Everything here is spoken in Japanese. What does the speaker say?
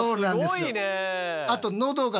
すごいね。